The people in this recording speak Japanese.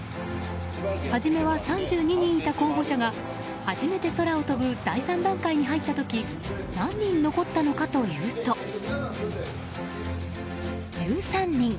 初めは３２人いた候補者が初めて空を飛ぶ第３段階に入った時何人残ったのかというと１３人。